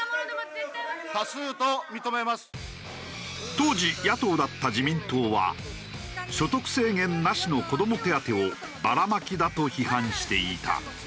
当時野党だった自民党は所得制限なしの子ども手当をバラまきだと批判していた。